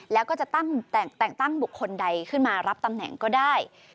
แล้วก็จะแต่งตั้งบุคคลใดขึ้นมารับตำแหน่งก็ได้